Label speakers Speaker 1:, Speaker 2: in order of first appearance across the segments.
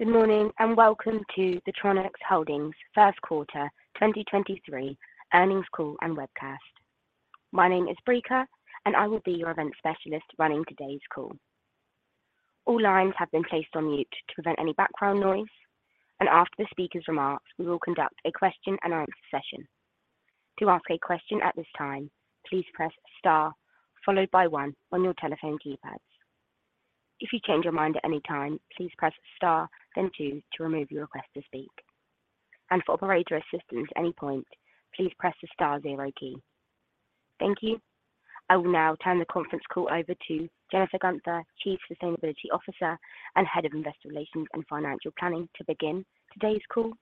Speaker 1: Good morning. Welcome to the Tronox Holdings First Quarter 2023 Earnings Call and Webcast. My name is Brika. I will be your event specialist running today's call. All lines have been placed on mute to prevent any background noise. After the speaker's remarks, we will conduct a question-and-answer session. To ask a question at this time, please press Star followed by one on your telephone keypads. If you change your mind at any time, please press Star, then two to remove your request to speak. For operator assistance at any point, please press the Star zero key. Thank you. I will now turn the conference call over to Jennifer Guenther, Chief Sustainability Officer and Head of Investor Relations and Financial Planning to begin today's call.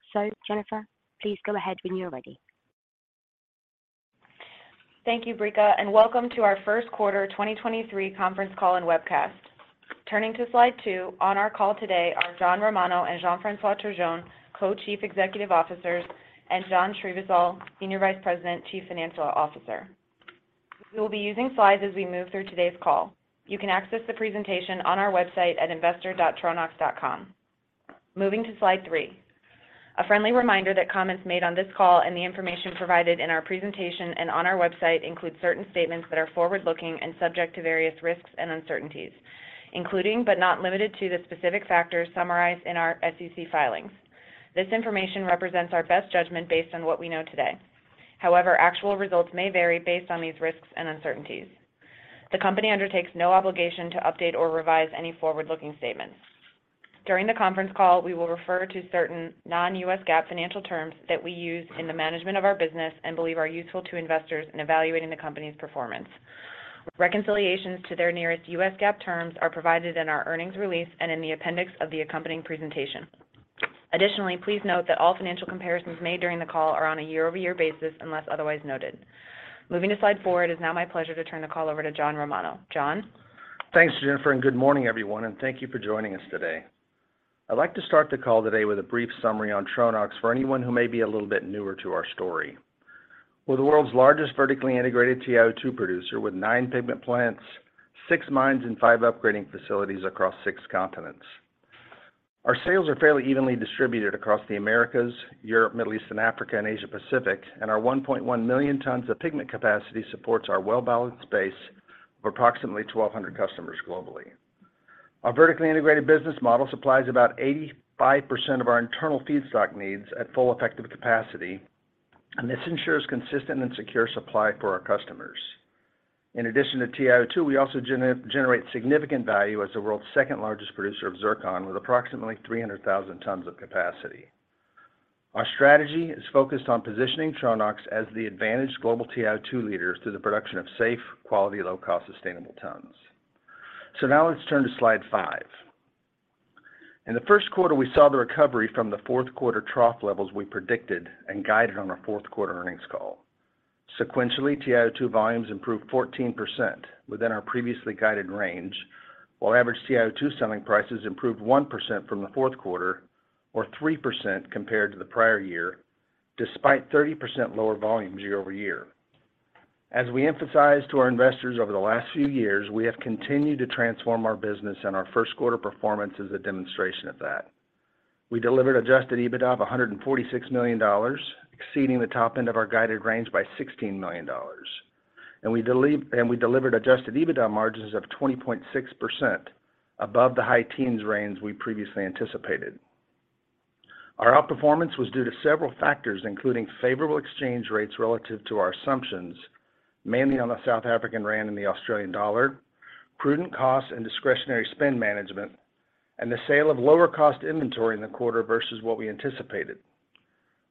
Speaker 1: Jennifer, please go ahead when you're ready.
Speaker 2: Thank you, Brika, and welcome to our first quarter 2023 conference call and webcast. Turning to slide 2, on our call today are John Romano and Jean-François Turgeon, Co-Chief Executive Officers, and John Srivisal, Senior Vice President, Chief Financial Officer. We will be using slides as we move through today's call. You can access the presentation on our website at investor.tronox.com. Moving to slide 3. A friendly reminder that comments made on this call and the information provided in our presentation and on our website include certain statements that are forward-looking and subject to various risks and uncertainties, including but not limited to the specific factors summarized in our SEC filings. This information represents our best judgment based on what we know today. However, actual results may vary based on these risks and uncertainties. The company undertakes no obligation to update or revise any forward-looking statements. During the conference call, we will refer to certain non-US GAAP financial terms that we use in the management of our business and believe are useful to investors in evaluating the company's performance. Reconciliations to their nearest US GAAP terms are provided in our earnings release and in the appendix of the accompanying presentation. Additionally, please note that all financial comparisons made during the call are on a year-over-year basis unless otherwise noted. Moving to slide 4, it is now my pleasure to turn the call over to John Romano. John?
Speaker 3: Thanks, Jennifer, and good morning, everyone, and thank you for joining us today. I'd like to start the call today with a brief summary on Tronox for anyone who may be a little bit newer to our story. We're the world's largest vertically integrated TiO2 producer with 9 pigment plants, 6 mines, and 5 upgrading facilities across 6 continents. Our sales are fairly evenly distributed across the Americas, Europe, Middle East and Africa, and Asia Pacific, and our 1.1 million tons of pigment capacity supports our well-balanced base of approximately 1,200 customers globally. Our vertically integrated business model supplies about 85% of our internal feedstock needs at full effective capacity, and this ensures consistent and secure supply for our customers. In addition to TiO2, we also generate significant value as the world's second-largest producer of zircon, with approximately 300,000 tons of capacity. Our strategy is focused on positioning Tronox as the advantage global TiO2 leader through the production of safe, quality, low-cost, sustainable tons. Now let's turn to slide 5. In the first quarter, we saw the recovery from the fourth quarter trough levels we predicted and guided on our fourth quarter earnings call. Sequentially, TiO2 volumes improved 14% within our previously guided range, while average TiO2 selling prices improved 1% from the fourth quarter or 3% compared to the prior year, despite 30% lower volumes year-over-year. As we emphasized to our investors over the last few years, we have continued to transform our business and our first quarter performance is a demonstration of that. We delivered adjusted EBITDA of $146 million, exceeding the top end of our guided range by $16 million. We delivered adjusted EBITDA margins of 20.6% above the high teens range we previously anticipated. Our outperformance was due to several factors, including favorable exchange rates relative to our assumptions, mainly on the South African rand and the Australian dollar, prudent cost and discretionary spend management, and the sale of lower cost inventory in the quarter versus what we anticipated.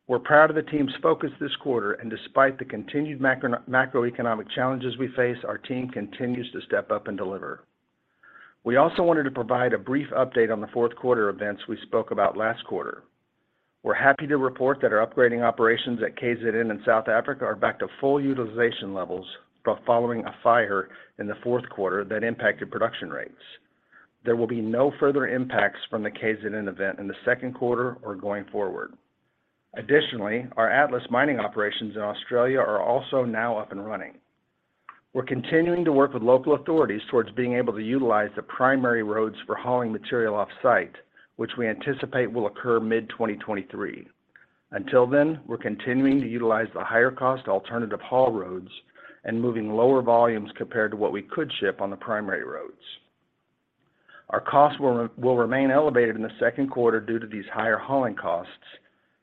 Speaker 3: We're proud of the team's focus this quarter and despite the continued macroeconomic challenges we face, our team continues to step up and deliver. We also wanted to provide a brief update on the fourth quarter events we spoke about last quarter. We're happy to report that our upgrading operations at KZN in South Africa are back to full utilization levels following a fire in the fourth quarter that impacted production rates. There will be no further impacts from the KZN event in the second quarter or going forward. Our Atlas mining operations in Australia are also now up and running. We're continuing to work with local authorities towards being able to utilize the primary roads for hauling material offsite, which we anticipate will occur mid-2023. We're continuing to utilize the higher cost alternative haul roads and moving lower volumes compared to what we could ship on the primary roads. Our costs will remain elevated in the second quarter due to these higher hauling costs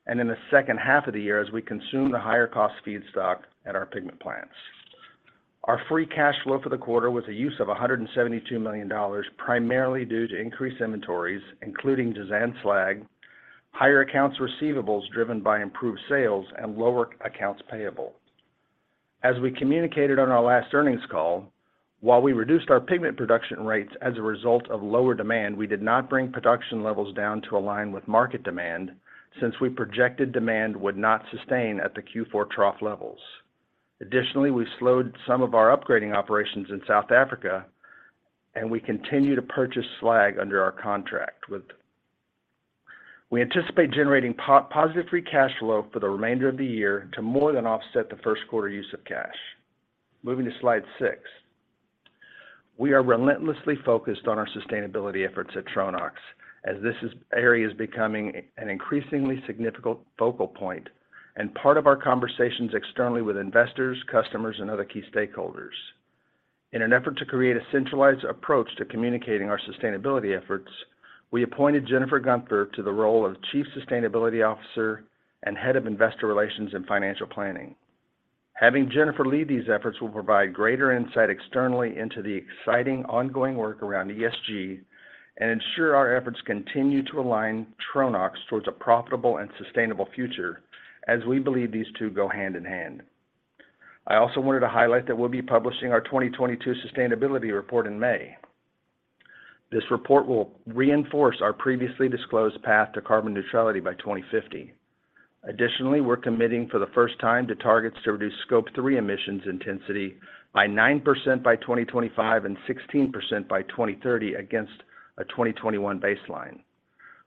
Speaker 3: and in the second half of the year as we consume the higher cost feedstock at our pigment plants. Our free cash flow for the quarter was a use of $172 million, primarily due to increased inventories, including Jazan slag, higher accounts receivables driven by improved sales, and lower accounts payable. As we communicated on our last earnings call, while we reduced our pigment production rates as a result of lower demand, we did not bring production levels down to align with market demand since we projected demand would not sustain at the Q4 trough levels. Additionally, we slowed some of our upgrading operations in South Africa, and we continue to purchase slag under our contract with. We anticipate generating positive free cash flow for the remainder of the year to more than offset the first quarter use of cash. Moving to slide 6. We are relentlessly focused on our sustainability efforts at Tronox as this area is becoming an increasingly significant focal point and part of our conversations externally with investors, customers, and other key stakeholders. In an effort to create a centralized approach to communicating our sustainability efforts, we appointed Jennifer Guenther to the role of Chief Sustainability Officer and Head of Investor Relations and Financial Planning. Having Jennifer lead these efforts will provide greater insight externally into the exciting ongoing work around ESG and ensure our efforts continue to align Tronox towards a profitable and sustainable future as we believe these two go hand in hand. I also wanted to highlight that we'll be publishing our 2022 sustainability report in May. This report will reinforce our previously disclosed path to carbon neutrality by 2050. Additionally, we're committing for the first time to targets to reduce Scope 3 emissions intensity by 9% by 2025 and 16% by 2030 against a 2021 baseline.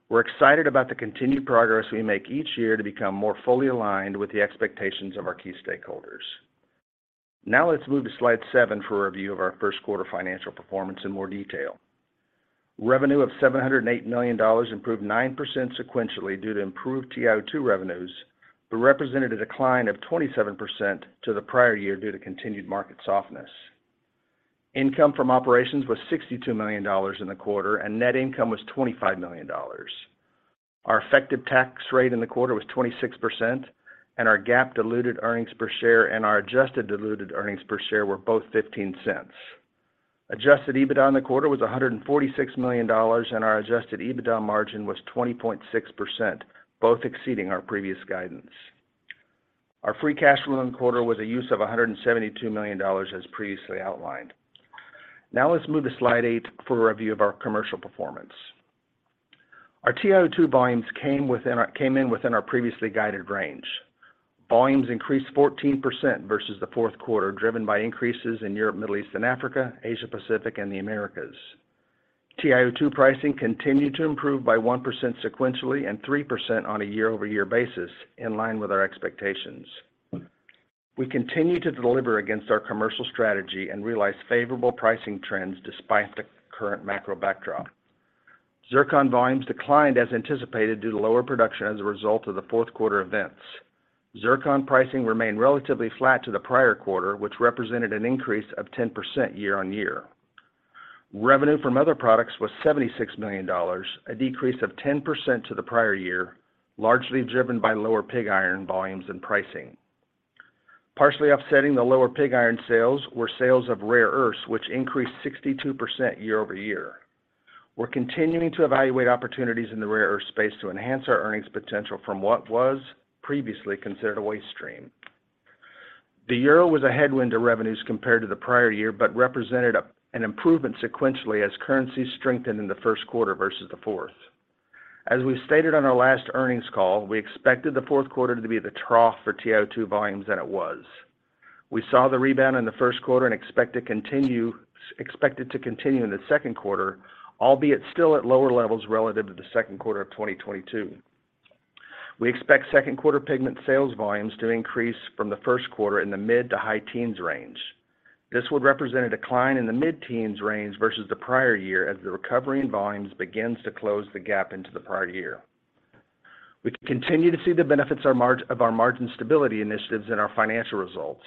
Speaker 3: We're excited about the continued progress we make each year to become more fully aligned with the expectations of our key stakeholders. Now let's move to slide 7 for a review of our first quarter financial performance in more detail. Revenue of $708 million improved 9% sequentially due to improved TiO2 revenues, but represented a decline of 27% to the prior year due to continued market softness. Income from operations was $62 million in the quarter, and net income was $25 million. Our effective tax rate in the quarter was 26%, and our GAAP diluted earnings per share and our adjusted diluted earnings per share were both $0.15. Adjusted EBITDA in the quarter was $146 million, our adjusted EBITDA margin was 20.6%, both exceeding our previous guidance. Our free cash flow in the quarter was a use of $172 million as previously outlined. Let's move to slide eight for a review of our commercial performance. Our TiO2 volumes came in within our previously guided range. Volumes increased 14% versus the fourth quarter, driven by increases in Europe, Middle East, and Africa, Asia Pacific, and the Americas. TiO2 pricing continued to improve by 1% sequentially and 3% on a year-over-year basis in line with our expectations. We continue to deliver against our commercial strategy and realize favorable pricing trends despite the current macro backdrop. Zircon volumes declined as anticipated due to lower production as a result of the fourth quarter events. Zircon pricing remained relatively flat to the prior quarter, which represented an increase of 10% year-over-year. Revenue from other products was $76 million, a decrease of 10% to the prior year, largely driven by lower pig iron volumes and pricing. Partially offsetting the lower pig iron sales were sales of rare earths, which increased 62% year-over-year. We're continuing to evaluate opportunities in the rare earth space to enhance our earnings potential from what was previously considered a waste stream. The euro was a headwind to revenues compared to the prior year, but represented an improvement sequentially as currencies strengthened in the first quarter versus the fourth. As we stated on our last earnings call, we expected the fourth quarter to be the trough for TiO2 volumes, and it was. We saw the rebound in the first quarter and expect it to continue in the second quarter, albeit still at lower levels relative to the second quarter of 2022. We expect second quarter pigment sales volumes to increase from the first quarter in the mid-to-high teens range. This would represent a decline in the mid-teens range versus the prior year as the recovery in volumes begins to close the gap into the prior year. We continue to see the benefits of our margin stability initiatives in our financial results.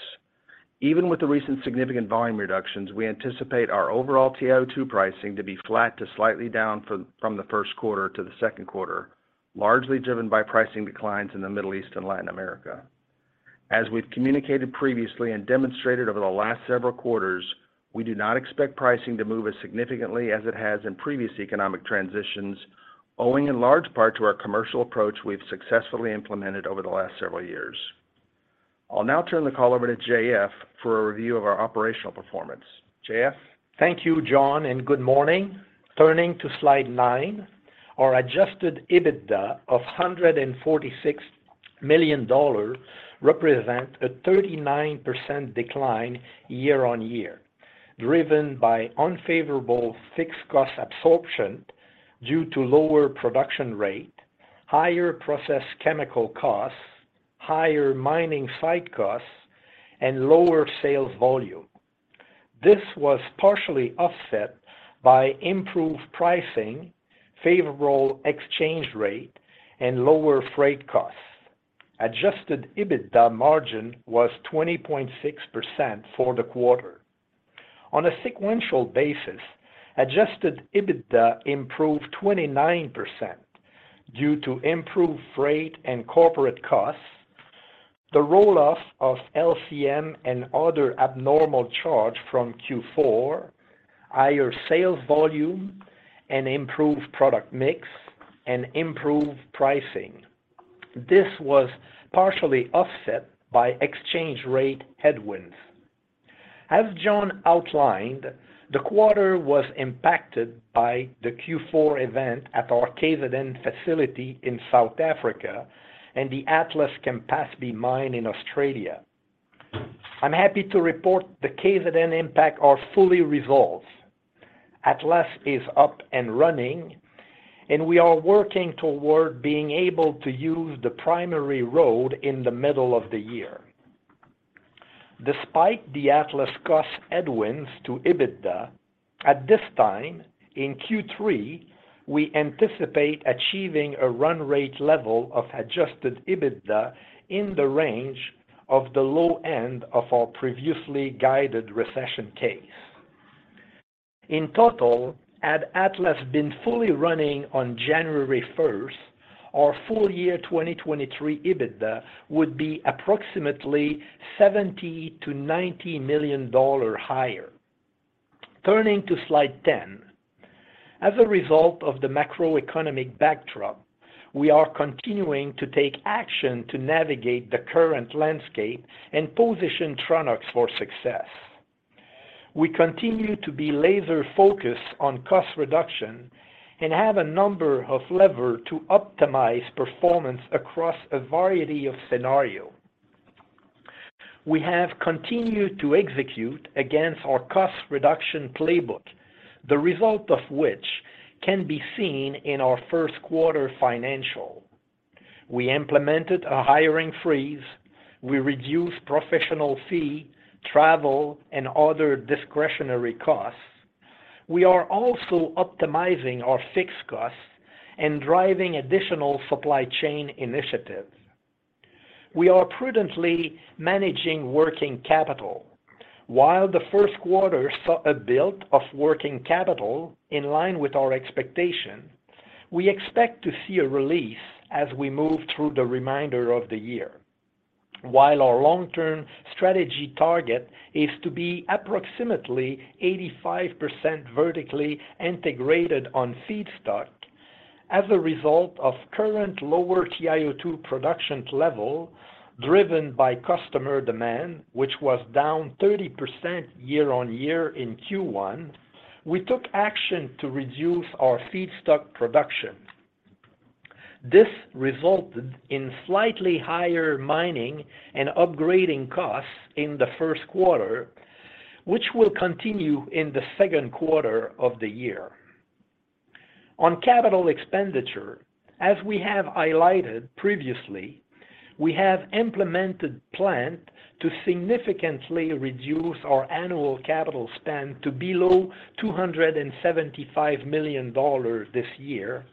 Speaker 3: Even with the recent significant volume reductions, we anticipate our overall TiO2 pricing to be flat to slightly down from the first quarter to the second quarter, largely driven by pricing declines in the Middle East and Latin America. We've communicated previously and demonstrated over the last several quarters, we do not expect pricing to move as significantly as it has in previous economic transitions, owing in large part to our commercial approach we've successfully implemented over the last several years. I'll now turn the call over to J.F. for a review of our operational performance. J.F.?
Speaker 4: Thank you, John. Good morning. Turning to slide 9, our adjusted EBITDA of $146 million represent a 39% decline year-on-year, driven by unfavorable fixed cost absorption due to lower production rate, higher processed chemical costs, higher mining site costs, and lower sales volume. This was partially offset by improved pricing, favorable exchange rate, and lower freight costs. Adjusted EBITDA margin was 20.6% for the quarter. On a sequential basis, adjusted EBITDA improved 29% due to improved freight and corporate costs, the roll-off of LCM and other abnormal charge from Q4, higher sales volume and improved product mix, and improved pricing. This was partially offset by exchange rate headwinds. As John outlined, the quarter was impacted by the Q4 event at our KZN facility in South Africa and the Atlas- Campaspe mine in Australia. I'm happy to report the KZN impact are fully resolved. Atlas is up and running, and we are working toward being able to use the primary road in the middle of the year. Despite the Atlas cost headwinds to EBITDA, at this time in Q3, we anticipate achieving a run rate level of adjusted EBITDA in the range of the low end of our previously guided recession case. In total, had Atlas been fully running on January first, our full year 2023 EBITDA would be approximately $70 million-$90 million dollar higher. Turning to slide 10. As a result of the macroeconomic backdrop, we are continuing to take action to navigate the current landscape and position Tronox for success. We continue to be laser-focused on cost reduction and have a number of lever to optimize performance across a variety of scenario. We have continued to execute against our cost reduction playbook, the result of which can be seen in our first quarter financial. We implemented a hiring freeze. We reduced professional fee, travel, and other discretionary costs. We are also optimizing our fixed costs and driving additional supply chain initiatives. We are prudently managing working capital. While the first quarter saw a build of working capital in line with our expectation, we expect to see a release as we move through the remainder of the year. While our long-term strategy target is to be approximately 85% vertically integrated on feedstock, as a result of current lower TiO2 production level driven by customer demand, which was down 30% year-over-year in Q1, we took action to reduce our feedstock production. This resulted in slightly higher mining and upgrading costs in the first quarter, which will continue in the second quarter of the year. On capital expenditure, as we have highlighted previously, we have implemented plan to significantly reduce our annual capital spend to below $275 million this year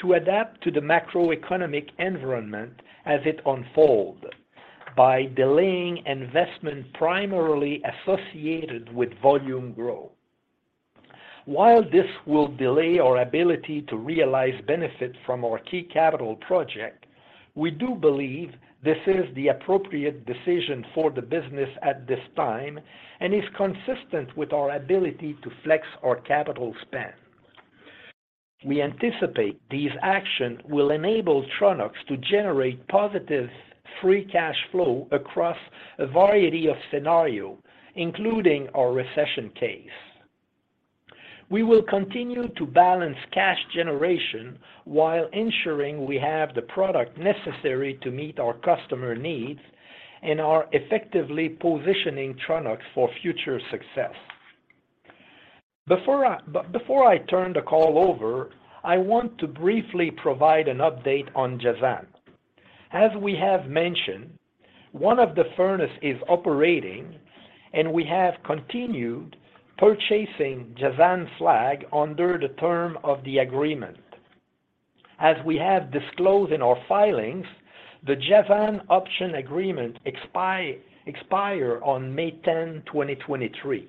Speaker 4: to adapt to the macroeconomic environment as it unfold by delaying investment primarily associated with volume growth. While this will delay our ability to realize benefit from our key capital project, we do believe this is the appropriate decision for the business at this time and is consistent with our ability to flex our capital spend. We anticipate these action will enable Tronox to generate positive free cash flow across a variety of scenario, including our recession case. We will continue to balance cash generation while ensuring we have the product necessary to meet our customer needs and are effectively positioning Tronox for future success. But before I turn the call over, I want to briefly provide an update on Jazan. As we have mentioned, one of the furnace is operating, and we have continued purchasing Jazan slag under the term of the agreement. As we have disclosed in our filings, the Jazan option agreement expire on May 10, 2023.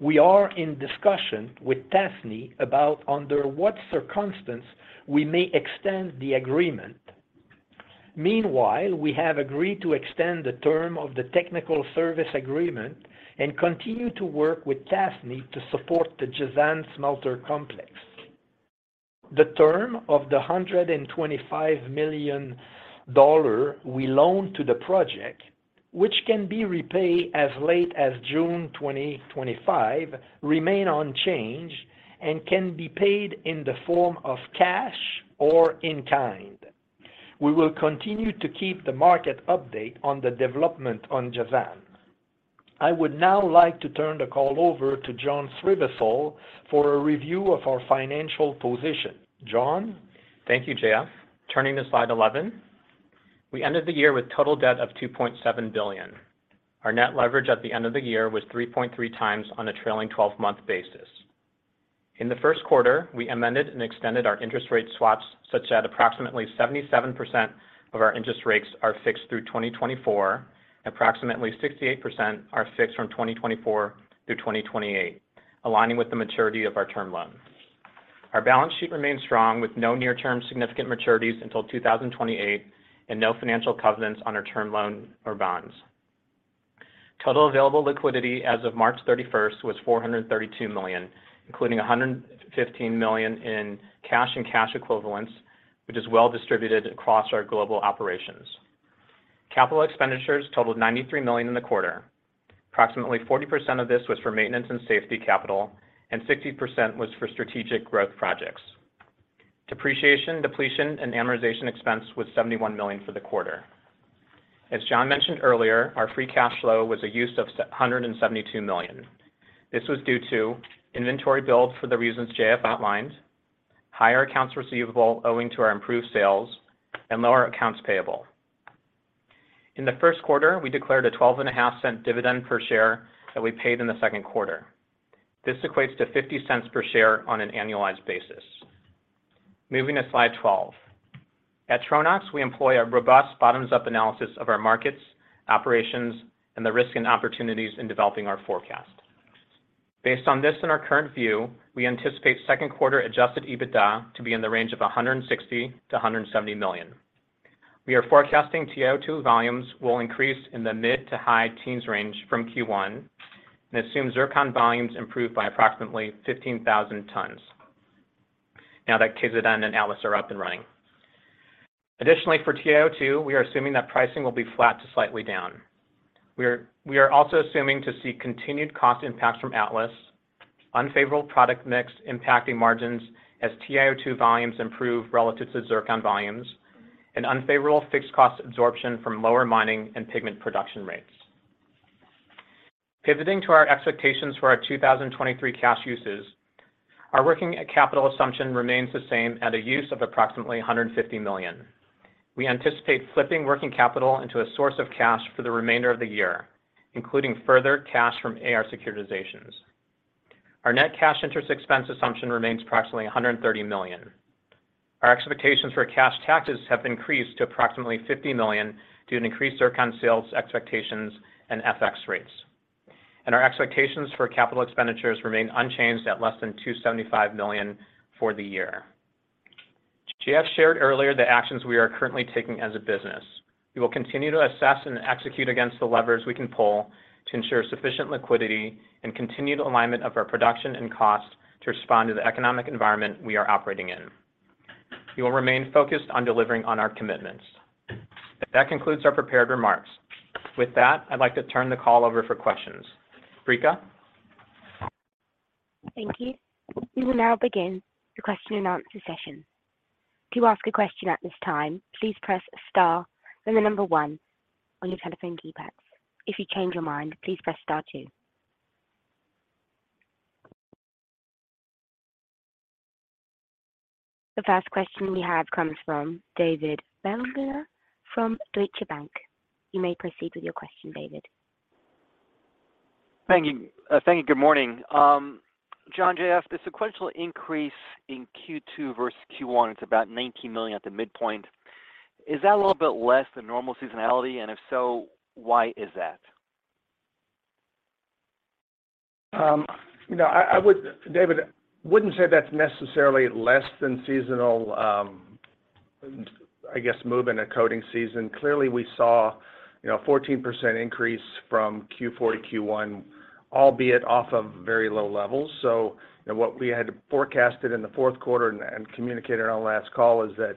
Speaker 4: We are in discussion with Tasnee about under what circumstance we may extend the agreement. Meanwhile, we have agreed to extend the term of the technical service agreement and continue to work with Tasnee to support the Jazan smelter complex. The term of the $125 million we loan to the project, which can be repaid as late as June 2025, remain unchanged and can be paid in the form of cash or in kind. We will continue to keep the market update on the development on Jazan. I would now like to turn the call over to John Srivisal for a review of our financial position. John?
Speaker 5: Thank you, J.F. Turning to slide 11. We ended the year with total debt of $2.7 billion. Our net leverage at the end of the year was 3.3 times on a trailing 12-month basis. In the first quarter, we amended and extended our interest rate swaps such that approximately 77% of our interest rates are fixed through 2024, approximately 68% are fixed from 2024 through 2028, aligning with the maturity of our term loans. Our balance sheet remains strong with no near-term significant maturities until 2028 and no financial covenants on our term loan or bonds. Total available liquidity as of March 31st was $432 million, including $115 million in cash and cash equivalents, which is well distributed across our global operations. Capital expenditures totaled $93 million in the quarter. Approximately 40% of this was for maintenance and safety capital. 60% was for strategic growth projects. Depreciation, depletion, and amortization expense was $71 million for the quarter. As John mentioned earlier, our free cash flow was a use of $772 million. This was due to inventory build for the reasons JF outlined, higher accounts receivable owing to our improved sales, and lower accounts payable. In the first quarter, we declared a 12 and a half cent dividend per share that we paid in the second quarter. This equates to 50 cents per share on an annualized basis. Moving to slide 12. At Tronox, we employ a robust bottoms-up analysis of our markets, operations, and the risk and opportunities in developing our forecast. Based on this and our current view, we anticipate second quarter adjusted EBITDA to be in the range of $160 million-$170 million. We are forecasting TiO2 volumes will increase in the mid to high teens range from Q1 and assume zircon volumes improve by approximately 15,000 tons now that KZN and Atlas are up and running. For TiO2, we are assuming that pricing will be flat to slightly down. We are also assuming to see continued cost impacts from Atlas, unfavorable product mix impacting margins as TiO2 volumes improve relative to zircon volumes, and unfavorable fixed cost absorption from lower mining and pigment production rates. Pivoting to our expectations for our 2023 cash uses, our working capital assumption remains the same at a use of approximately $150 million. We anticipate flipping working capital into a source of cash for the remainder of the year, including further cash from AR securitizations. Our net cash interest expense assumption remains approximately $130 million. Our expectations for cash taxes have increased to approximately $50 million due to increased zircon sales expectations and FX rates. Our expectations for capital expenditures remain unchanged at less than $275 million for the year. J.F. shared earlier the actions we are currently taking as a business. We will continue to assess and execute against the levers we can pull to ensure sufficient liquidity and continued alignment of our production and cost to respond to the economic environment we are operating in. We will remain focused on delivering on our commitments. That concludes our prepared remarks. With that, I'd like to turn the call over for questions. Brika?
Speaker 1: Thank you. We will now begin the question and answer session. To ask a question at this time, please press star, then the number one on your telephone keypads. If you change your mind, please press star two. The first question we have comes from David Begleiter from Deutsche Bank. You may proceed with your question, David.
Speaker 6: Thank you. Thank you. Good morning. John, J.F. the sequential increase in Q2 versus Q1, it's about $19 million at the midpoint. Is that a little bit less than normal seasonality? If so, why is that?
Speaker 3: You know, David Begleiter wouldn't say that's necessarily less than seasonal move in a coating season. Clearly, we saw, you know, 14% increase from Q4 to Q1, albeit off of very low levels. You know, what we had forecasted in the fourth quarter and communicated on our last call is that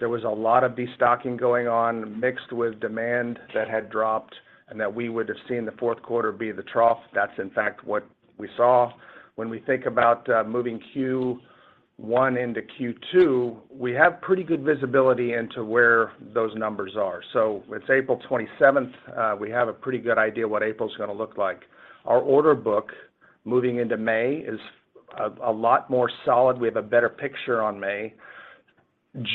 Speaker 3: there was a lot of destocking going on, mixed with demand that had dropped, and that we would have seen the fourth quarter be the trough. That's in fact what we saw. When we think about moving Q1 into Q2, we have pretty good visibility into where those numbers are. It's April 27th. We have a pretty good idea what April's gonna look like. Our order book moving into May is a lot more solid. We have a better picture on May.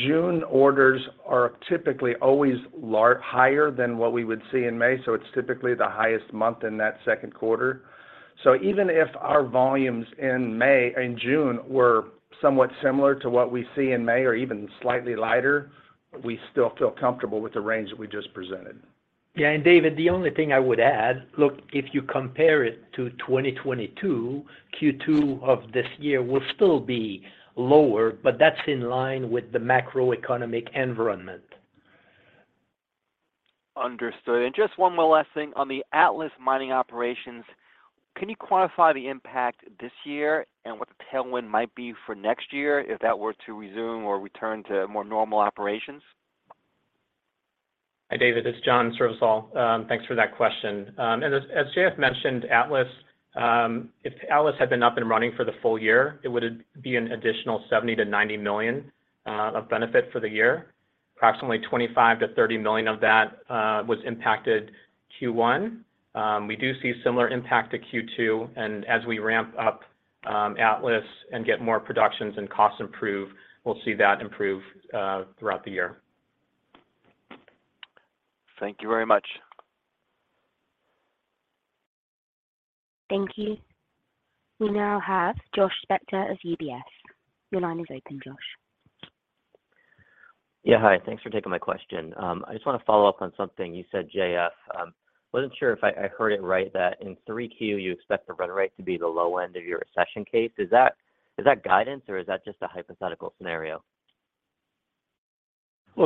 Speaker 3: June orders are typically always higher than what we would see in May, so it's typically the highest month in that second quarter. Even if our volumes in May and June were somewhat similar to what we see in May or even slightly lighter, we still feel comfortable with the range that we just presented.
Speaker 5: Yeah. David, the only thing I would add, look, if you compare it to 2022, Q2 of this year will still be lower, but that's in line with the macroeconomic environment.
Speaker 6: Understood. Just one more last thing on the Atlas mining operations. Can you quantify the impact this year and what the tailwind might be for next year if that were to resume or return to more normal operations?
Speaker 5: Hi, David. This is John Srivisal. Thanks for that question. As J.F. mentioned, Atlas, if Atlas had been up and running for the full year, it would be an additional $70 million-$90 million of benefit for the year. Approximately $25 million-$30 million of that was impacted Q1. We do see similar impact to Q2, and as we ramp up Atlas and get more productions and costs improve, we'll see that improve throughout the year.
Speaker 6: Thank you very much.
Speaker 1: Thank you. We now have Josh Spector of UBS. Your line is open, Josh.
Speaker 7: Yeah. Hi. Thanks for taking my question. I just wanna follow up on something you said, J.F. Wasn't sure if I heard it right that in 3Q you expect the run rate to be the low end of your recession case. Is that guidance or is that just a hypothetical scenario?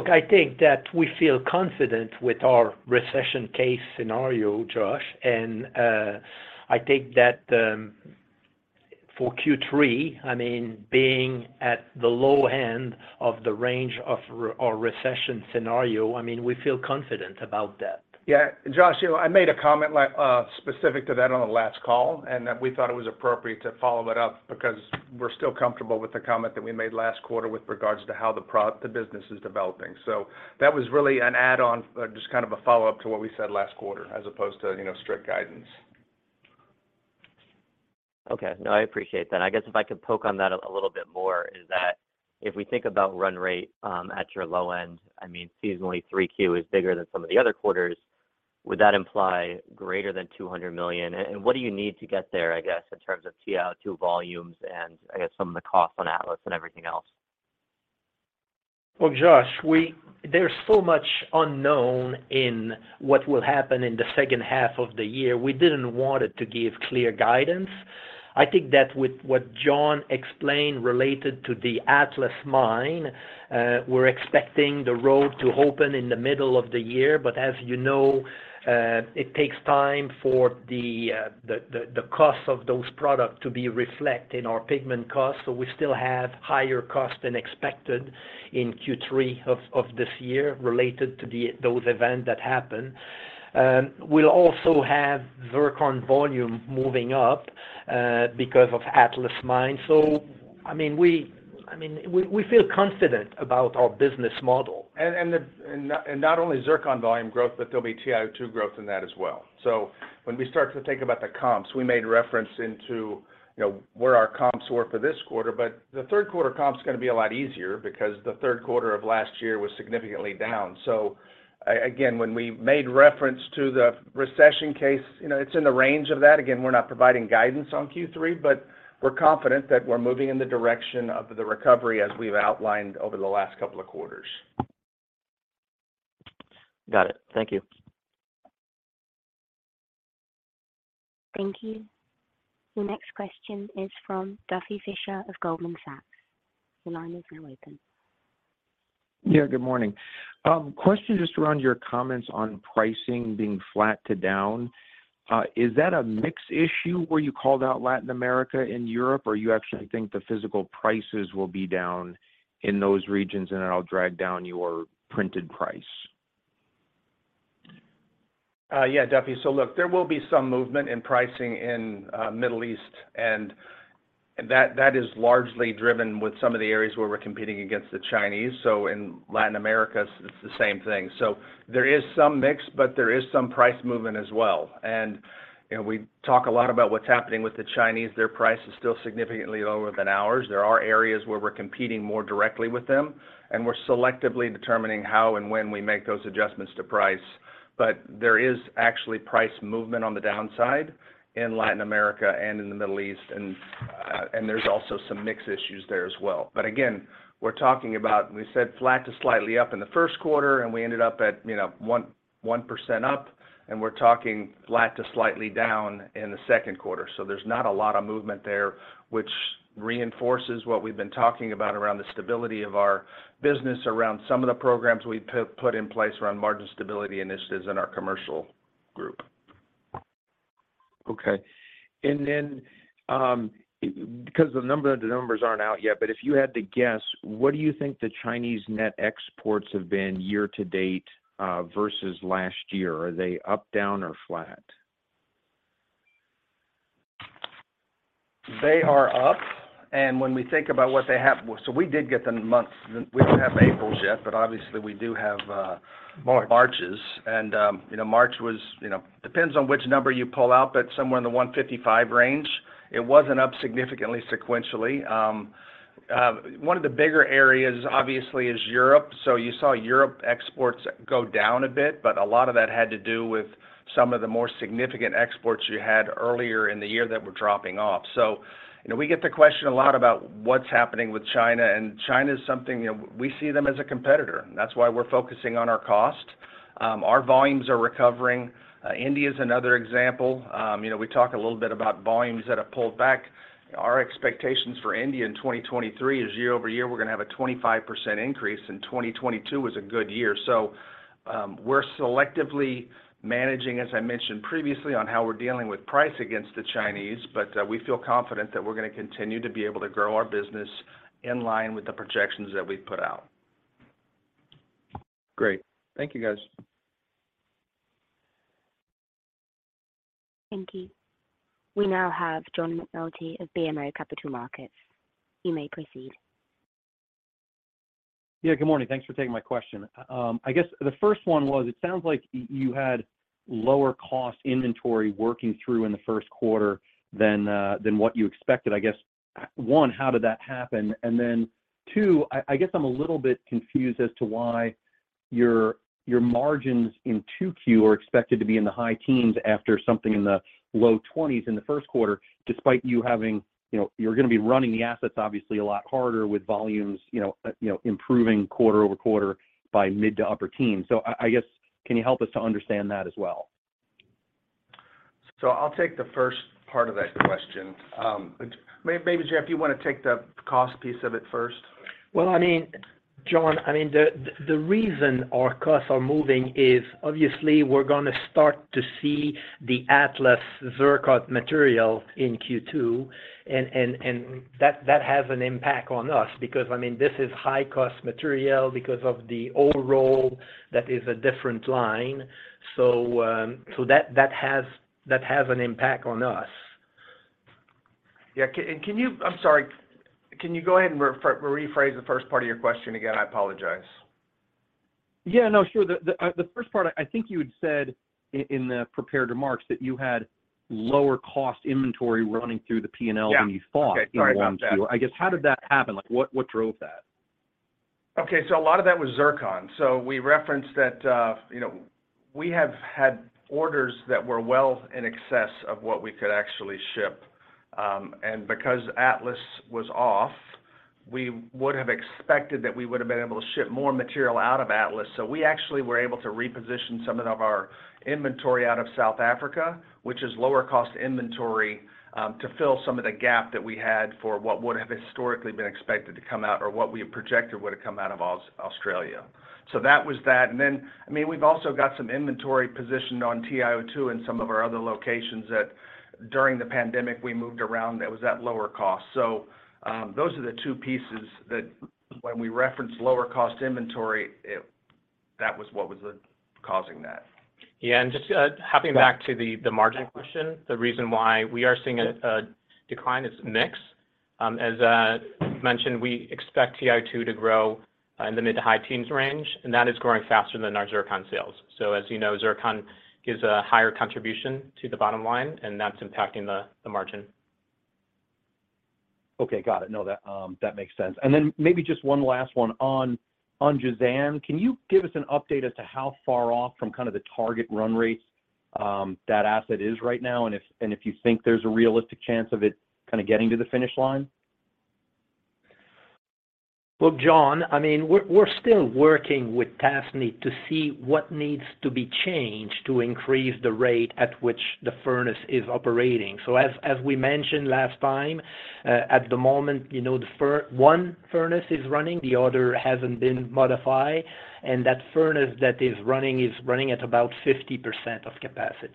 Speaker 5: I think that we feel confident with our recession case scenario, Josh, and, I think that, For Q3, I mean, being at the low end of the range of our recession scenario, I mean, we feel confident about that.
Speaker 3: Yeah. Josh, you know, I made a comment specific to that on the last call, and that we thought it was appropriate to follow it up because we're still comfortable with the comment that we made last quarter with regards to how the business is developing. That was really an add on, just kind of a follow-up to what we said last quarter as opposed to, you know, strict guidance.
Speaker 7: Okay. No, I appreciate that. I guess if I could poke on that a little bit more is that if we think about run rate, at your low end, I mean, seasonally, 3Q is bigger than some of the other quarters. Would that imply greater than $200 million? What do you need to get there, I guess, in terms of TiO2 volumes and I guess some of the costs on Atlas and everything else?
Speaker 4: Well, Josh, there's so much unknown in what will happen in the second half of the year. We didn't want to give clear guidance. I think that with what John explained related to the Atlas mine, we're expecting the road to open in the middle of the year. As you know, it takes time for the cost of those products to be reflect in our pigment cost. We still have higher cost than expected in Q3 of this year related to the those event that happened. We'll also have zircon volume moving up because of Atlas mine. I mean, we feel confident about our business model.
Speaker 3: Not only zircon volume growth, but there'll be TiO2 growth in that as well. When we start to think about the comps, we made reference into, you know, where our comps were for this quarter, but the third quarter comp's gonna be a lot easier because the third quarter of last year was significantly down. Again, when we made reference to the recession case, you know, it's in the range of that. Again, we're not providing guidance on Q3, but we're confident that we're moving in the direction of the recovery as we've outlined over the last couple of quarters.
Speaker 7: Got it. Thank you.
Speaker 1: Thank you. The next question is from Duffy Fischer of Goldman Sachs. Your line is now open.
Speaker 8: Good morning. Question just around your comments on pricing being flat to down. Is that a mix issue where you called out Latin America and Europe, or you actually think the physical prices will be down in those regions and it'll drag down your printed price?
Speaker 3: Yeah, Duffy. Look, there will be some movement in pricing in Middle East, and that is largely driven with some of the areas where we're competing against the Chinese. In Latin America, it's the same thing. There is some mix, but there is some price movement as well. You know, we talk a lot about what's happening with the Chinese. Their price is still significantly lower than ours. There are areas where we're competing more directly with them, and we're selectively determining how and when we make those adjustments to price. There is actually price movement on the downside in Latin America and in the Middle East. There's also some mix issues there as well. Again, we're talking about, we said flat to slightly up in the first quarter, and we ended up at, you know, 1% up, and we're talking flat to slightly down in the second quarter. There's not a lot of movement there, which reinforces what we've been talking about around the stability of our business, around some of the programs we've put in place around margin stability initiatives in our commercial group.
Speaker 8: Okay. Then, because the numbers aren't out yet, but if you had to guess, what do you think the Chinese net exports have been year to date versus last year? Are they up, down, or flat?
Speaker 3: They are up. When we think about what they have. We did get the months. We don't have April's yet, but obviously we do have March's. You know, March was, depends on which number you pull out, but somewhere in the 155 range. It wasn't up significantly sequentially. One of the bigger areas obviously is Europe. You saw Europe exports go down a bit, but a lot of that had to do with some of the more significant exports you had earlier in the year that were dropping off. You know, we get the question a lot about what's happening with China, and China is something, you know, we see them as a competitor. That's why we're focusing on our cost. Our volumes are recovering. India is another example. You know, we talk a little bit about volumes that have pulled back. Our expectations for India in 2023 is year-over-year, we're gonna have a 25% increase, and 2022 was a good year. We're selectively managing, as I mentioned previously, on how we're dealing with price against the Chinese, but we feel confident that we're gonna continue to be able to grow our business in line with the projections that we've put out.
Speaker 8: Great. Thank you, guys.
Speaker 1: Thank you. We now have John McNulty of BMO Capital Markets. You may proceed.
Speaker 9: Good morning. Thanks for taking my question. I guess the first one was, it sounds like you had lower cost inventory working through in the first quarter than what you expected. I guess, one, how did that happen? two, I guess I'm a little bit confused as to why your margins in 2Q are expected to be in the high teens after something in the low twenties in the first quarter, despite you having, you know, you're gonna be running the assets obviously a lot harder with volumes, improving quarter-over-quarter by mid to upper teens. I guess, can you help us to understand that as well?
Speaker 3: I'll take the first part of that question. Maybe, J.F. you wanna take the cost piece of it first?
Speaker 4: Well, I mean, John, I mean, the reason our costs are moving is obviously we're gonna start to see the Atlas zircon material in Q2 and that has an impact on us because, I mean, this is high-cost material because of the old roll that is a different line. That has an impact on us.
Speaker 3: Yeah. Can you. I'm sorry. Can you go ahead and rephrase the first part of your question again? I apologize.
Speaker 9: Yeah, no, sure. The first part, I think you had said in the prepared remarks that you had lower cost inventory running through the P&L than you thought-
Speaker 3: Yeah. Okay. Sorry about that.
Speaker 9: in Q1. I guess, how did that happen? Like, what drove that?
Speaker 3: A lot of that was zircon. We referenced that, you know, we have had orders that were well in excess of what we could actually ship. And because Atlas was off, we would have expected that we would have been able to ship more material out of Atlas. We actually were able to reposition some of our inventory out of South Africa, which is lower cost inventory, to fill some of the gap that we had for what would have historically been expected to come out or what we had projected would have come out of Australia. That was that. Then, I mean, we've also got some inventory positioned on TiO2 and some of our other locations that during the pandemic we moved around that was at lower cost. Those are the two pieces that when we referenced lower cost inventory, that was what was causing that.
Speaker 5: Yeah. Just hopping back to the margin question. The reason why we are seeing a decline is mix. As mentioned, we expect TiO2 to grow in the mid-to-high teens range, and that is growing faster than our zircon sales. As you know, zircon gives a higher contribution to the bottom line, and that's impacting the margin.
Speaker 9: Okay. Got it. No, that makes sense. Maybe just one last one on Jazan. Can you give us an update as to how far off from kind of the target run rates, that asset is right now? If you think there's a realistic chance of it kind of getting to the finish line?
Speaker 4: Well, John, I mean, we're still working with Tasnee to see what needs to be changed to increase the rate at which the furnace is operating. As we mentioned last time, at the moment, you know, one furnace is running, the other hasn't been modified, and that furnace that is running is running at about 50% of capacity.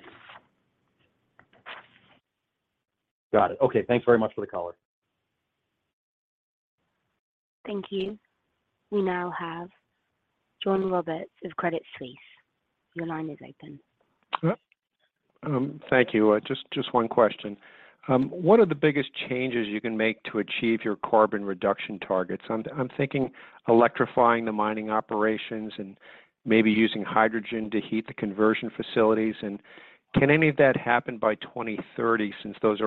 Speaker 9: Got it. Okay. Thanks very much for the color.
Speaker 1: Thank you. We now have John Roberts of Credit Suisse. Your line is open.
Speaker 10: Thank you. Just one question. What are the biggest changes you can make to achieve your carbon reduction targets? I'm thinking electrifying the mining operations and maybe using hydrogen to heat the conversion facilities. Can any of that happen by 2030 since those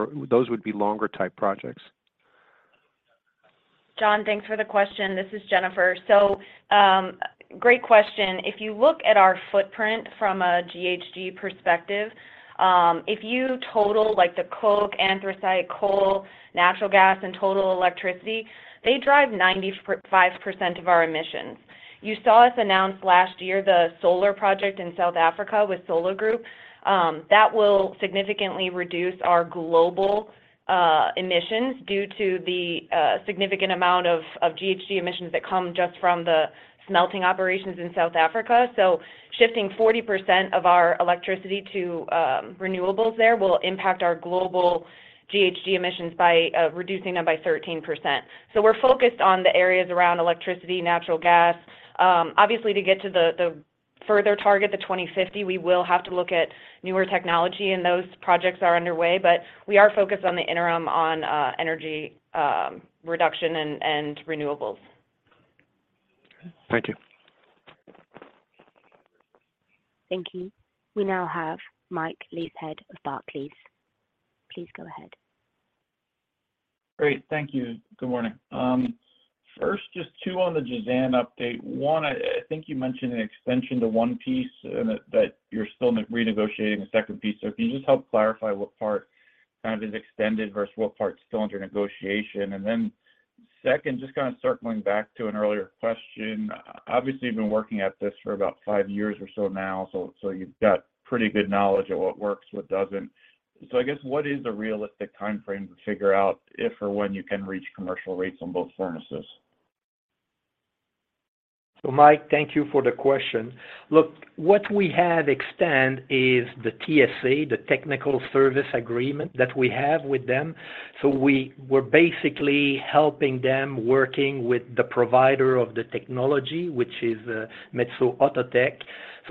Speaker 10: would be longer type projects?
Speaker 2: John, thanks for the question. This is Jennifer. Great question. If you look at our footprint from a GHG perspective, if you total like the coke, anthracite, coal, natural gas and total electricity, they drive 95% of our emissions. You saw us announce last year the solar project in South Africa with SOLA Group. That will significantly reduce our global emissions due to the significant amount of GHG emissions that come just from the smelting operations in South Africa. Shifting 40% of our electricity to renewables there will impact our global GHG emissions by reducing them by 13%. We're focused on the areas around electricity, natural gas. Obviously to get to the further target, the 2050, we will have to look at newer technology, and those projects are underway, but we are focused on the interim on energy reduction and renewables.
Speaker 10: Thank you.
Speaker 1: Thank you. We now have Mike Leithead of Barclays. Please go ahead.
Speaker 11: Great. Thank you. Good morning. First just two on the Jazan update. 1, I think you mentioned an extension to 1 piece and that you're still renegotiating the second piece. If you can just help clarify what part kind of is extended versus what part's still under negotiation. Then second, just kind of circling back to an earlier question. Obviously, you've been working at this for about 5 years or so now, so you've got pretty good knowledge of what works, what doesn't. I guess what is the realistic timeframe to figure out if or when you can reach commercial rates on both furnaces?
Speaker 4: Mike, thank you for the question. Look, what we had extend is the TSA, the technical service agreement that we have with them. We were basically helping them working with the provider of the technology, which is Metso Outotec.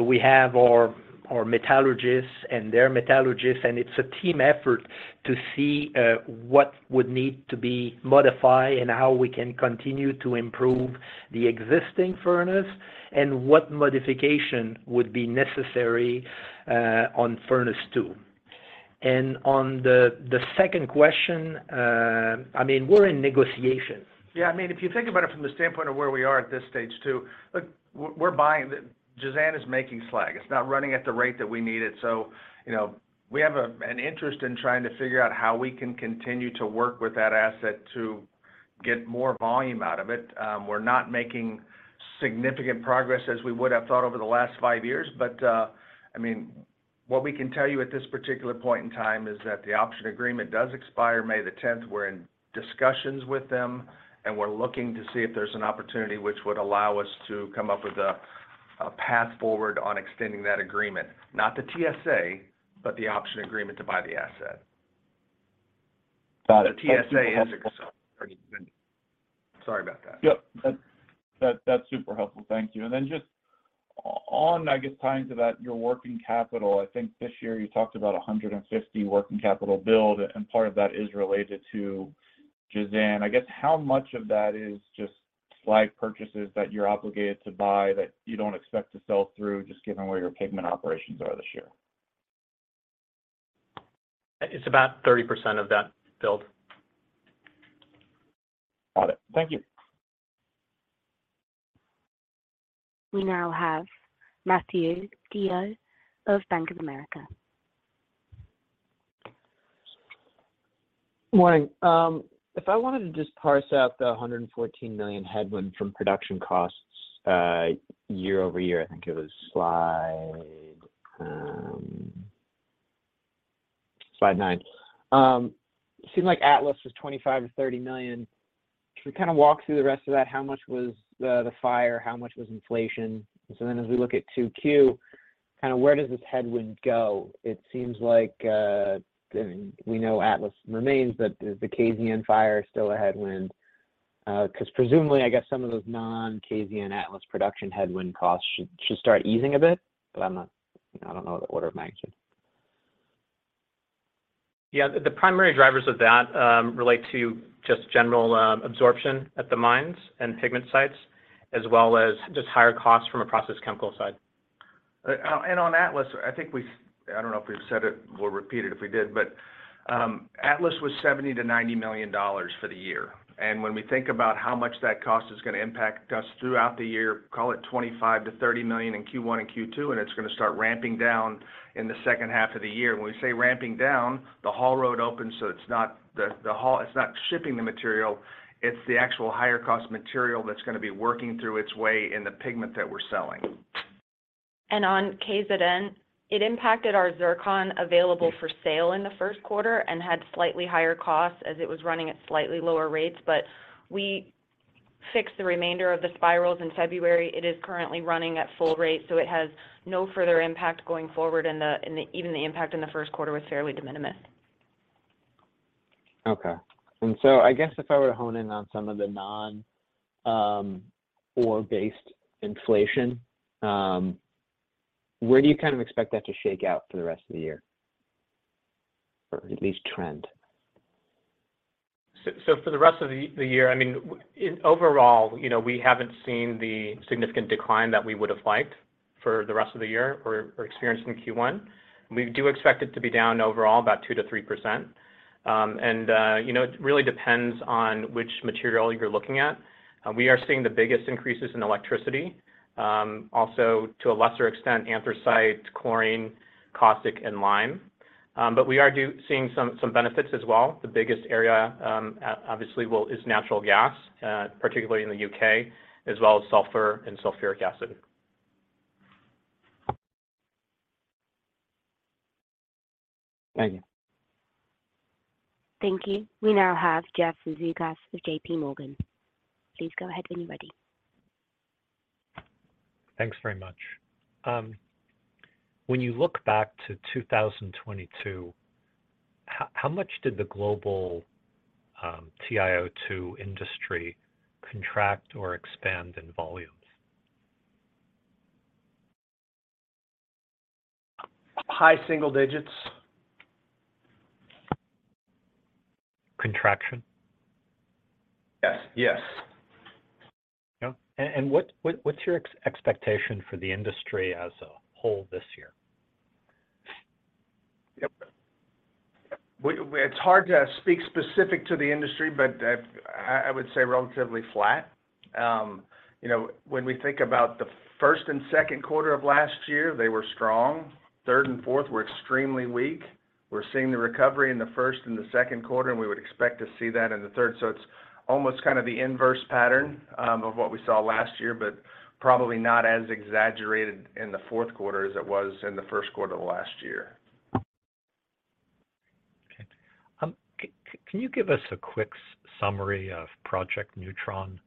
Speaker 4: We have our metallurgists and their metallurgists, and it's a team effort to see what would need to be modified and how we can continue to improve the existing furnace and what modification would be necessary on furnace two. On the second question, I mean, we're in negotiations.
Speaker 3: I mean, if you think about it from the standpoint of where we are at this stage too, look, we're buying. Jazan is making slag. It's not running at the rate that we need it. you know, we have an interest in trying to figure out how we can continue to work with that asset to get more volume out of it. we're not making significant progress as we would have thought over the last five years. I mean, what we can tell you at this particular point in time is that the option agreement does expire May 10. We're in discussions with them, and we're looking to see if there's an opportunity which would allow us to come up with a path forward on extending that agreement, not the TSA, but the option agreement to buy the asset.
Speaker 11: Got it.
Speaker 3: The TSA. Sorry about that.
Speaker 11: Yep. That, that's super helpful. Thank you. Just on, I guess, tying to that, your working capital, I think this year you talked about a $150 working capital build, and part of that is related to Jazan. I guess, how much of that is just slag purchases that you're obligated to buy that you don't expect to sell through, just given where your pigment operations are this year?
Speaker 5: It's about 30% of that build.
Speaker 11: Got it. Thank you.
Speaker 1: We now have Matthew DeYoe of Bank of America.
Speaker 12: Morning. If I wanted to just parse out the $114 million headwind from production costs, year-over-year, I think it was slide 9. Seemed like Atlas was $25 million-$30 million. Can we kind of walk through the rest of that? How much was the fire? How much was inflation? As we look at 2Q, kind of where does this headwind go? It seems like, I mean, we know Atlas remains, is the KZN fire still a headwind? 'Cause presumably, I guess some of those non-KZN Atlas production headwind costs should start easing a bit. I'm not. You know, I don't know the order of magnitude.
Speaker 5: Yeah. The primary drivers of that, relate to just general absorption at the mines and pigment sites, as well as just higher costs from a process chemical side.
Speaker 3: On Atlas, I don't know if we've said it, we'll repeat it if we did, but, Atlas was $70 million-$90 million for the year. When we think about how much that cost is going to impact us throughout the year, call it $25 million-$30 million in Q1 and Q2, and it's going to start ramping down in the second half of the year. When we say ramping down, the haul road opens, so it's not shipping the material, it's the actual higher cost material that's going to be working through its way in the pigment that we're selling.
Speaker 2: On KZN, it impacted our zircon available for sale in the first quarter and had slightly higher costs as it was running at slightly lower rates. We fixed the remainder of the spirals in February. It is currently running at full rate, so it has no further impact going forward, and even the impact in the first quarter was fairly de minimis.
Speaker 12: Okay. I guess if I were to hone in on some of the non, ore-based inflation, where do you kind of expect that to shake out for the rest of the year, or at least trend?
Speaker 5: For the rest of the year, I mean, in overall, you know, we haven't seen the significant decline that we would have liked for the rest of the year or experienced in Q1. We do expect it to be down overall about 2%-3%. You know, it really depends on which material you're looking at. We are seeing the biggest increases in electricity. Also to a lesser extent, anthracite, chlorine, caustic and lime. We are seeing some benefits as well. The biggest area, obviously will, is natural gas, particularly in the U.K., as well as sulfur and sulfuric acid.
Speaker 12: Thank you.
Speaker 1: Thank you. We now have Jeff Zekauskas of JPMorgan. Please go ahead when you're ready.
Speaker 13: Thanks very much. When you look back to 2022, how much did the global TiO2 industry contract or expand in volumes?
Speaker 3: High single digits.
Speaker 13: Contraction?
Speaker 3: Yes. Yes.
Speaker 13: Yeah. And, what's your expectation for the industry as a whole this year?
Speaker 3: Yep. We. It's hard to speak specific to the industry, but I would say relatively flat. You know, when we think about the first and second quarter of last year, they were strong. Third and fourth were extremely weak. We're seeing the recovery in the first and the second quarter, and we would expect to see that in the third. It's almost kind of the inverse pattern of what we saw last year, but probably not as exaggerated in the fourth quarter as it was in the first quarter of last year.
Speaker 13: Okay. Can you give us a quick summary of Project newTRON?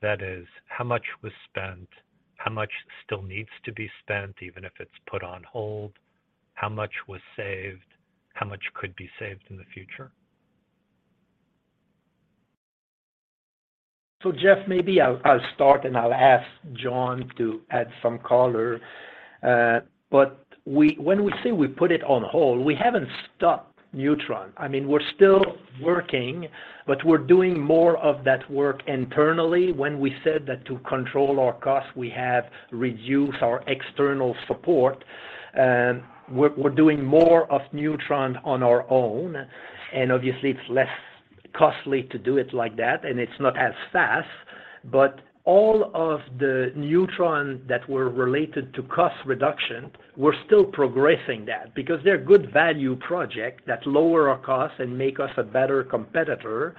Speaker 13: That is, how much was spent? How much still needs to be spent, even if it's put on hold? How much was saved? How much could be saved in the future?
Speaker 4: Jeff, maybe I'll start and I'll ask John to add some color. When we say we put it on hold, we haven't stopped newTRON. I mean, we're still working, but we're doing more of that work internally. When we said that to control our costs, we have reduced our external support. We're doing more of newTRON on our own, and obviously it's less costly to do it like that, and it's not as fast. All of the newTRON that were related to cost reduction, we're still progressing that because they're good value project that lower our costs and make us a better competitor.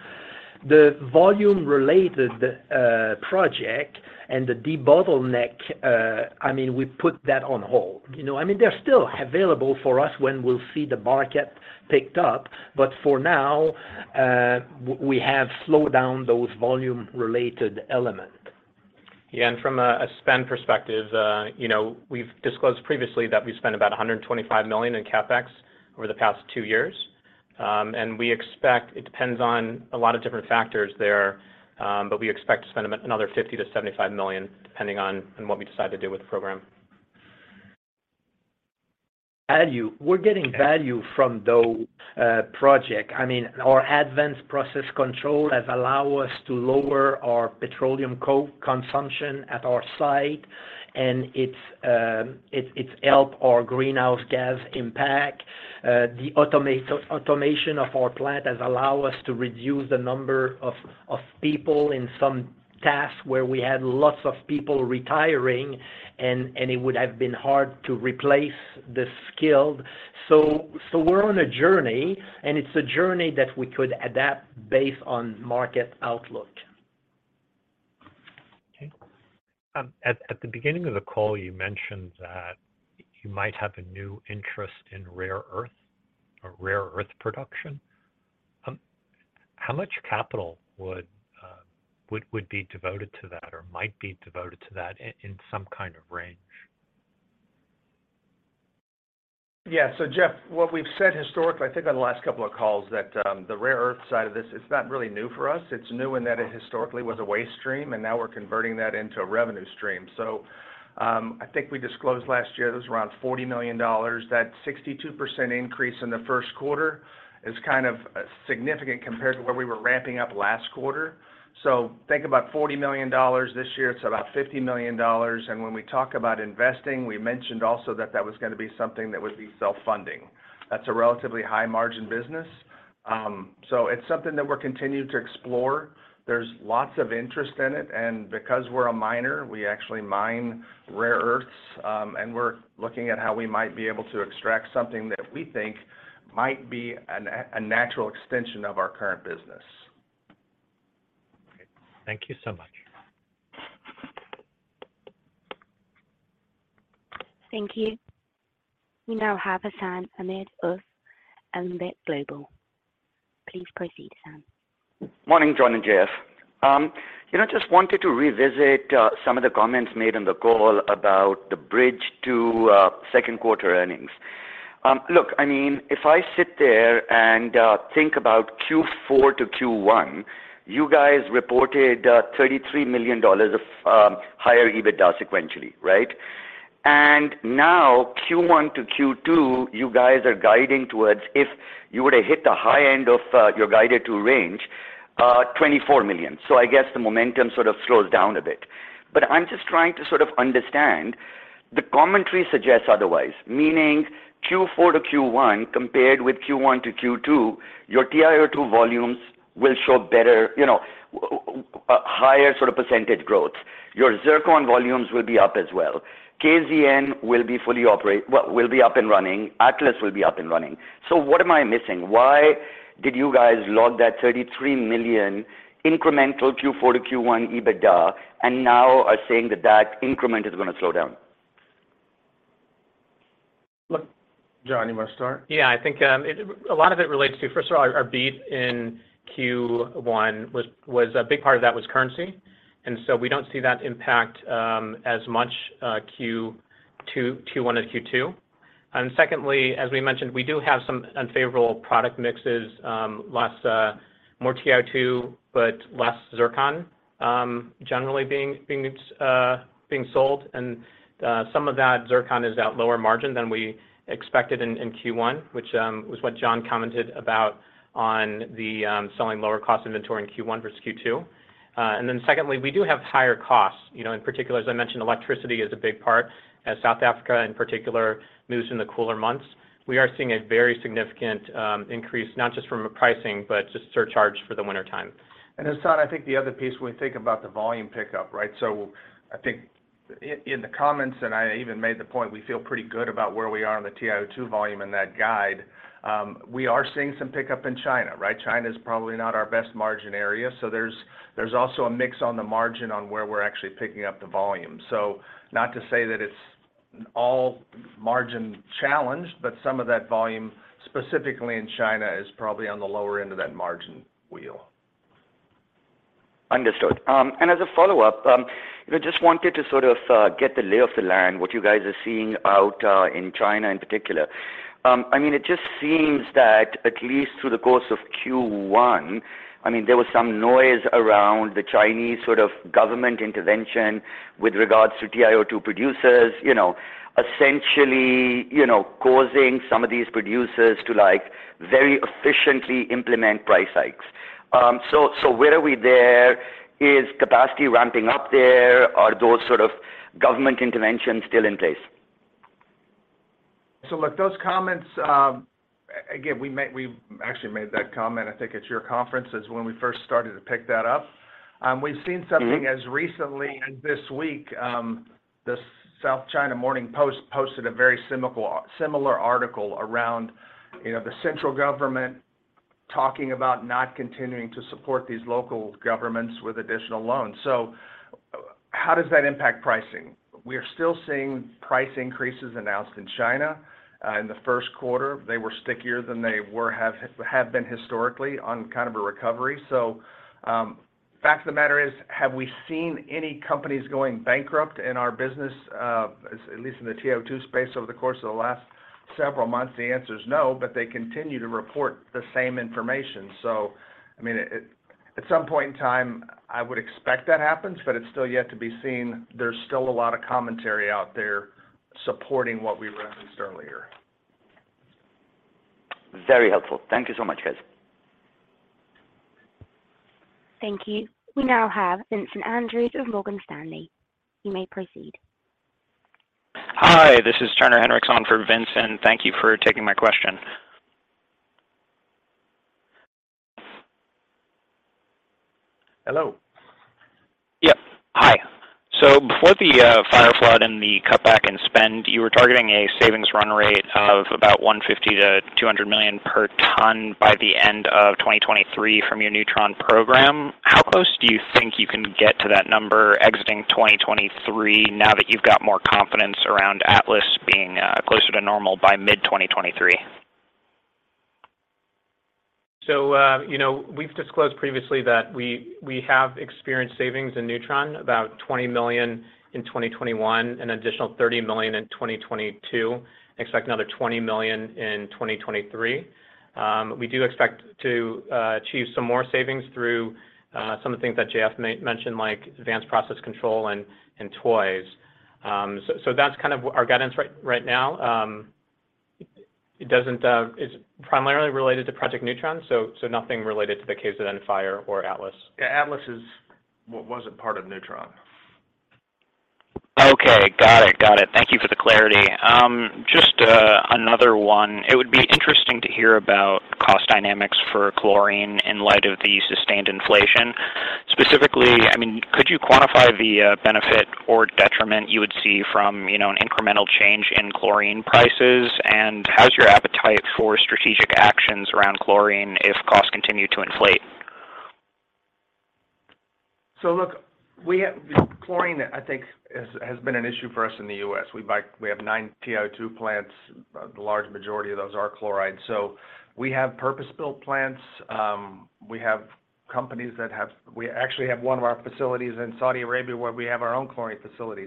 Speaker 4: The volume related project and the debottleneck, I mean, we put that on hold. You know, I mean, they're still available for us when we'll see the market picked up. For now, we have slowed down those volume related element.
Speaker 5: Yeah. From a spend perspective, you know, we've disclosed previously that we spent about $125 million in CapEx over the past two years. We expect it depends on a lot of different factors there, we expect to spend another $50 million-$75 million depending on what we decide to do with the program.
Speaker 4: Value. We're getting value from those project. I mean, our advanced process control has allow us to lower our petroleum coke consumption at our site, and it's helped our greenhouse gas impact. The automation of our plant has allow us to reduce the number of people in some tasks where we had lots of people retiring and it would have been hard to replace the skilled. We're on a journey, and it's a journey that we could adapt based on market outlook.
Speaker 13: Okay. At the beginning of the call, you mentioned that you might have a new interest in rare earth or rare earth production. How much capital would be devoted to that or might be devoted to that in some kind of range?
Speaker 3: Yeah. Jeff, what we've said historically, I think on the last couple of calls that, the rare earth side of this, it's not really new for us. It's new in that it historically was a waste stream, and now we're converting that into a revenue stream. I think we disclosed last year it was around $40 million. That 62% increase in the first quarter is kind of significant compared to where we were ramping up last quarter. Think about $40 million this year, it's about $50 million. And when we talk about investing, we mentioned also that that was gonna be something that would be self-funding. That's a relatively high margin business. It's something that we're continuing to explore. There's lots of interest in it, and because we're a miner, we actually mine rare earths, and we're looking at how we might be able to extract something that we think might be a natural extension of our current business.
Speaker 13: Okay. Thank you so much.
Speaker 1: Thank you. We now have Hassan Ahmed of Alembic Global. Please proceed, Hassan.
Speaker 14: Morning, John and Jeff. You know, just wanted to revisit some of the comments made on the call about the bridge to second quarter earnings. Look, I mean, if I sit there and think about Q4 to Q1, you guys reported $33 million of higher EBITDA sequentially, right? Now Q1 to Q2, you guys are guiding towards, if you were to hit the high end of your guided to range, $24 million. I guess the momentum sort of slows down a bit. I'm just trying to sort of understand the commentary suggests otherwise, meaning Q4 to Q1 compared with Q1 to Q2, your TiO2 volumes will show better, you know, higher sort of percentage growth. Your zircon volumes will be up as well. KZN will be fully up and running. Atlas will be up and running. What am I missing? Why did you guys log that $33 million incremental Q4 to Q1 EBITDA, and now are saying that that increment is gonna slow down?
Speaker 3: Look, John, you wanna start?
Speaker 5: Yeah. I think a lot of it relates to, first of all our beat in Q1 was a big part of that was currency. We don't see that impact as much Q2, Q1 to Q2. Secondly, as we mentioned, we do have some unfavorable product mixes, less, more TiO2, but less zircon generally being sold. Some of that zircon is at lower margin than we expected in Q1, which was what John commented about on the selling lower cost inventory in Q1 versus Q2. Secondly, we do have higher costs. You know, in particular, as I mentioned, electricity is a big part. As South Africa in particular moves in the cooler months, we are seeing a very significant increase, not just from a pricing, but just surcharge for the wintertime.
Speaker 3: Hassan, I think the other piece when we think about the volume pickup, right? I think in the comments, and I even made the point, we feel pretty good about where we are on the TiO2 volume and that guide. We are seeing some pickup in China, right? China's probably not our best margin area, so there's also a mix on the margin on where we're actually picking up the volume. Not to say that it's all margin challenged, but some of that volume specifically in China is probably on the lower end of that margin wheel.
Speaker 14: Understood. As a follow-up, you know, just wanted to sort of get the lay of the land, what you guys are seeing out in China in particular. I mean, it just seems that at least through the course of Q1, I mean, there was some noise around the Chinese sort of government intervention with regards to TiO2 producers, you know, essentially, you know, causing some of these producers to, like, very efficiently implement price hikes. So, where are we there? Is capacity ramping up there? Are those sort of government interventions still in place?
Speaker 3: Look, those comments, again, we actually made that comment, I think, at your conference is when we first started to pick that up. We've seen something as recently as this week, the South China Morning Post posted a very similar article around, you know, the central government talking about not continuing to support these local governments with additional loans. How does that impact pricing? We are still seeing price increases announced in China. In the first quarter, they were stickier than they have been historically on kind of a recovery. Fact of the matter is, have we seen any companies going bankrupt in our business, at least in the TiO2 space over the course of the last several months? The answer is no, they continue to report the same information. I mean, at some point in time, I would expect that happens, but it's still yet to be seen. There's still a lot of commentary out there supporting what we referenced earlier.
Speaker 14: Very helpful. Thank you so much, guys.
Speaker 1: Thank you. We now have Vincent Andrews of Morgan Stanley. You may proceed.
Speaker 15: Hi, this is Turner Hinrichs on for Vincent. Thank you for taking my question.
Speaker 4: Hello.
Speaker 15: Yep. Hi. Before the fire flood and the cut back in spend, you were targeting a savings run rate of about $150 million-$200 million by the end of 2023 from your newTRON program. How close do you think you can get to that number exiting 2023 now that you've got more confidence around Atlas being closer to normal by mid-2023?
Speaker 5: you know, we've disclosed previously that we have experienced savings in newTRON about $20 million in 2021, an additional $30 million in 2022, expect another $20 million in 2023. We do expect to achieve some more savings through some of the things that J.F. mentioned, like advanced process control and tools. so that's kind of our guidance right now. It's primarily related to Project newTRON, so nothing related to the [KZN or Atlas.
Speaker 3: Yeah, Atlas was a part of Ne.
Speaker 15: Okay. Got it. Got it. Thank you for the clarity. Just another one. It would be interesting to hear about cost dynamics for chlorine in light of the sustained inflation. Specifically, I mean, could you quantify the benefit or detriment you would see from an incremental change in chlorine prices? How's your appetite for strategic actions around chlorine if costs continue to inflate?
Speaker 3: Look, we have. Chlorine, I think has been an issue for us in the U.S. We have nine TiO2 plants. The large majority of those are chloride. We have purpose-built plants. We have companies that have. We actually have one of our facilities in Saudi Arabia where we have our own chlorine facility.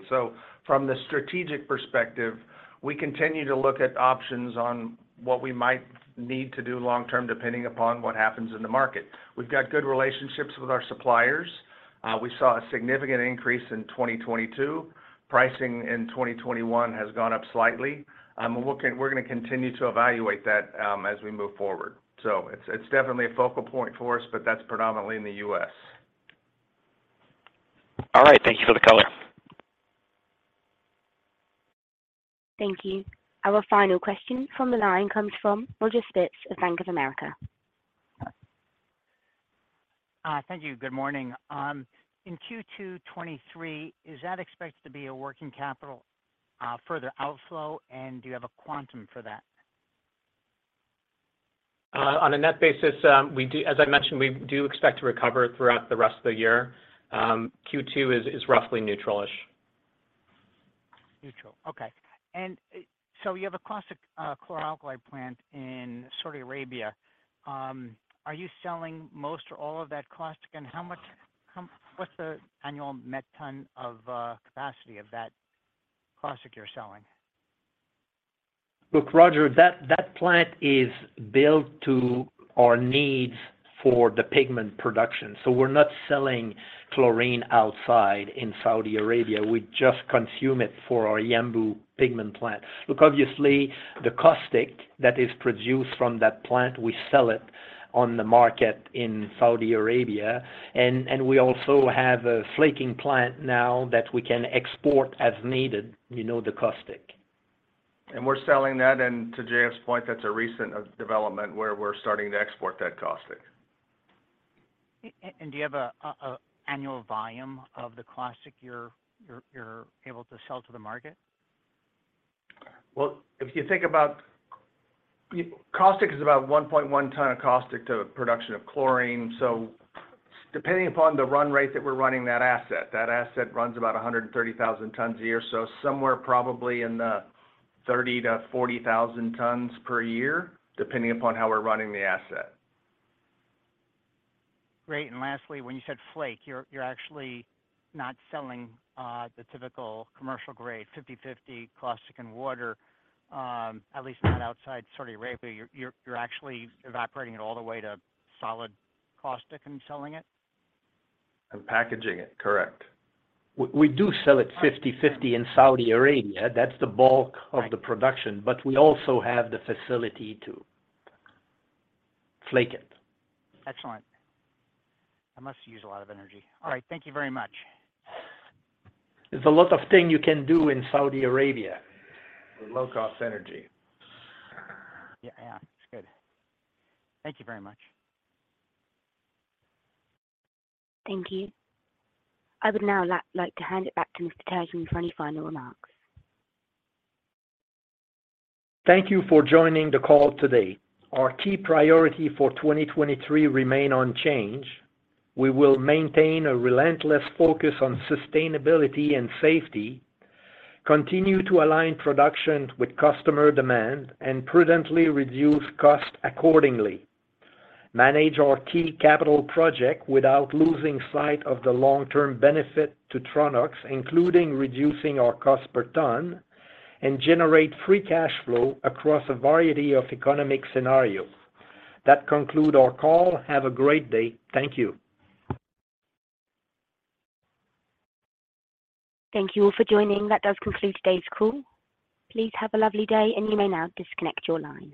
Speaker 3: From the strategic perspective, we continue to look at options on what we might need to do long term, depending upon what happens in the market. We've got good relationships with our suppliers. We saw a significant increase in 2022. Pricing in 2021 has gone up slightly. We're gonna continue to evaluate that as we move forward. It's definitely a focal point for us, but that's predominantly in the U.S.
Speaker 15: All right. Thank you for the color.
Speaker 1: Thank you. Our final question from the line comes from Roger Spitz of Bank of America.
Speaker 16: Thank you. Good morning. In Q2 2023, is that expected to be a working capital, further outflow? Do you have a quantum for that?
Speaker 5: On a net basis, as I mentioned, we do expect to recover throughout the rest of the year. Q2 is roughly neutral-ish.
Speaker 16: Neutral. Okay. You have a caustic, chlor-alkali plant in Saudi Arabia. Are you selling most or all of that caustic? What's the annual met ton of capacity of that caustic you're selling?
Speaker 4: Look, Roger, that plant is built to our needs for the pigment production. We're not selling chlorine outside in Saudi Arabia. We just consume it for our Yanbu pigment plant. Look, obviously the caustic that is produced from that plant, we sell it on the market in Saudi Arabia. We also have a flaking plant now that we can export as needed, you know, the caustic.
Speaker 3: And we're selling that. To J.F.'s point, that's a recent development where we're starting to export that caustic.
Speaker 16: Do you have a annual volume of the caustic you're able to sell to the market?
Speaker 3: Well, if you think about, caustic is about 1.1 ton of caustic to production of chlorine. Depending upon the run rate that we're running that asset, that asset runs about 130,000 tons a year. Somewhere probably in the 30,000-40,000 tons per year, depending upon how we're running the asset.
Speaker 16: Great. Lastly, when you said flake, you're actually not selling the typical commercial grade 50/50 caustic and water, at least not outside Saudi Arabia. You're actually evaporating it all the way to solid caustic and selling it?
Speaker 3: Packaging it, correct.
Speaker 4: We do sell it 50/50 in Saudi Arabia. That's the bulk of the production. We also have the facility to flake it.
Speaker 16: Excellent. That must use a lot of energy. All right. Thank you very much.
Speaker 4: There's a lot of thing you can do in Saudi Arabia.
Speaker 3: With low cost energy.
Speaker 16: Yeah. It's good. Thank you very much.
Speaker 1: Thank you. I would now like to hand it back to Mr. Turgeon for any final remarks.
Speaker 4: Thank you for joining the call today. Our key priority for 2023 remain unchanged. We will maintain a relentless focus on sustainability and safety, continue to align production with customer demand, and prudently reduce cost accordingly. Manage our key capital project without losing sight of the long-term benefit to Tronox, including reducing our cost per ton, and generate free cash flow across a variety of economic scenarios. That conclude our call. Have a great day. Thank you.
Speaker 1: Thank you all for joining. That does conclude today's call. Please have a lovely day, and you may now disconnect your line.